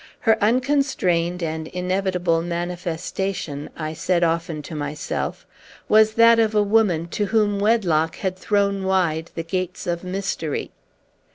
Her unconstrained and inevitable manifestation, I said often to myself, was that of a woman to whom wedlock had thrown wide the gates of mystery.